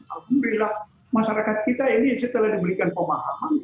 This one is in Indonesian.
alhamdulillah masyarakat kita ini setelah diberikan pemahaman